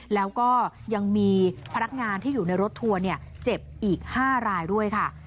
แล้วก็ยังมีพนักงานที่อยู่ในรถทัวร์เจ็บอีก๕รายด้วยค่ะ